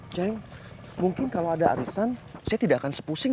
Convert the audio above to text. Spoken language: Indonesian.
ceng mungkin kalo ada arisan saya tidak akan sepusing